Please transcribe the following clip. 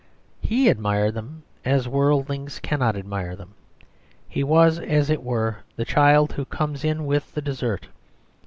He admired them as worldlings cannot admire them: he was, as it were, the child who comes in with the dessert.